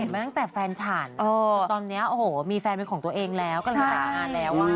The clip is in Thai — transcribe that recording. เห็นมาตั้งแต่แฟนฉันตอนนี้โอ้โหมีแฟนเป็นของตัวเองแล้วก็เลยต่างานแล้วอ่ะ